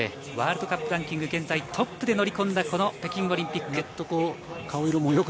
ワールドカップランキング、現在トップで乗り込んだ北京オリンピック。